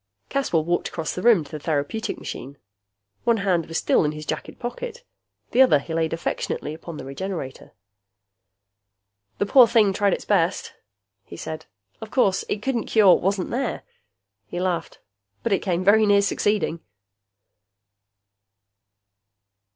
Caswell walked across the room to the therapeutic machine. One hand was still in his jacket pocket; the other he laid affectionately upon the Regenerator. "The poor thing tried its best," he said. "Of course, it couldn't cure what wasn't there." He laughed. "But it came very near succeeding!"